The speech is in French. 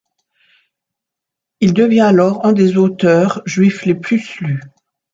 Il devient alors un des auteurs juifs les plus lus.